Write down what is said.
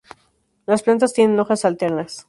Las plantas tienen hojas alternas.